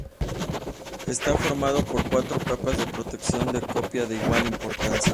Está formado por cuatro capas de protección de copia de igual importancia.